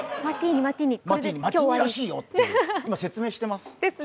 今日は巻きらしいよ！って今、説明してます。